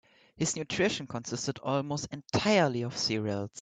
His nutrition consisted almost entirely of cereals.